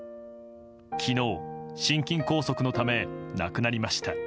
昨日、心筋梗塞のため亡くなりました。